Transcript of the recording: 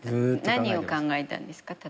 何を考えたんですか？